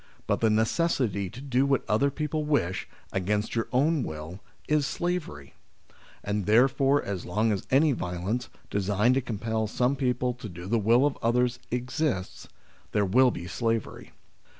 But the necessity to do what other people wish, against your own will, is slavery. And therefore as long as any violence, designed to compel some people to do the will of others, exists, there will be slavery.